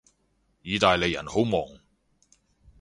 意大利人好忙